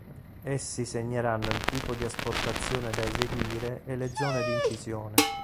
Essi segneranno il tipo di asportazione da eseguire e le zone di incisione.